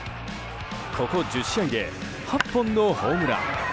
ここ１０試合で８本のホームラン。